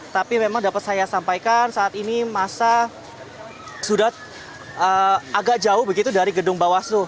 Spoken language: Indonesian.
tapi memang dapat saya sampaikan saat ini masa sudah agak jauh begitu dari gedung bawaslu